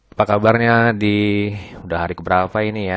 apa kabarnya di udah hari keberapa ini ya